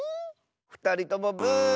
ふたりともブー。